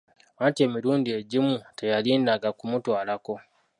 Anti emirundi egimu teyalindanga kumutwalako.